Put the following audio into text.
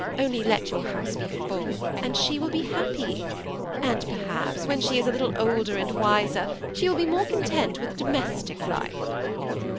Only let your house be full, and she will be happy; and, perhaps, when she is a little older and wiser she will be content with a more domestic life."